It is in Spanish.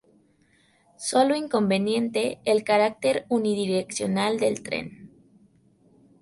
Solo inconveniente, el carácter unidireccional del tren.